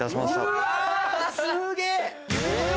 ・うわすげぇ！